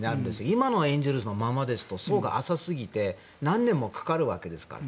今のエンゼルスのままですと層が浅すぎて何年もかかるわけですから。